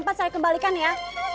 pas saya kembalikan ya